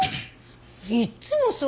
いつもそう。